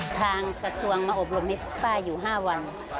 ทางกระทรวงมาอบรมนิดป้าอยู่๕วัน